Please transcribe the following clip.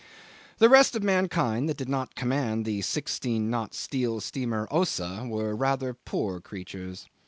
The rest of mankind that did not command the sixteen knot steel steamer Ossa were rather poor creatures.